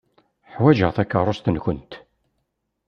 Ḥwajeɣ takeṛṛust-nwent.